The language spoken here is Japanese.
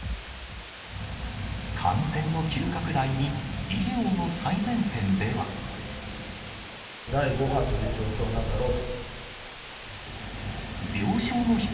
感染の急拡大に、第５波という状況なんだろう